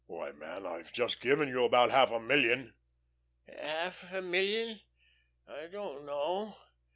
"Why, man, I've just given you about half a million." "Half a million? I don't know.